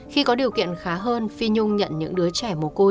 khi có điều kiện khá hơn phi nhung nhận những đứa trẻ mồ côi